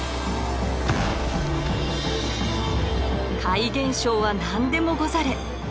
怪現象は何でもござれ。